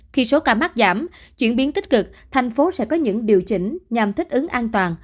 khi số ca mắc giảm chuyển biến tích cực thành phố sẽ có những điều chỉnh nhằm thích ứng an toàn